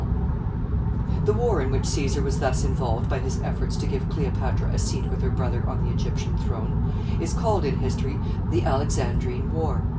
] The war in which Caesar was thus involved by his efforts to give Cleopatra a seat with her brother on the Egyptian throne, is called in history the Alexandrine war.